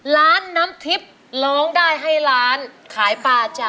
น้ำทิพย์ร้องได้ให้ร้านขายปลาจ้ะ